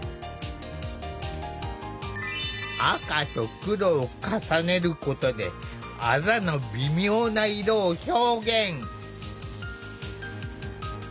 赤と黒を重ねることであざの微妙な色を表現。